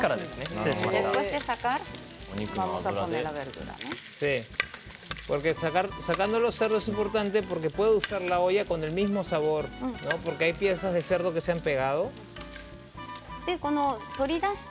失礼しました。